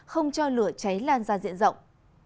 không cho lửa cháy lan ra diện rộng